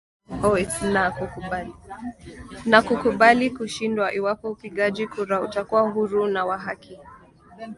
Na kukubali kushindwa iwapo upigaji kura utakuwa huru na wa haki.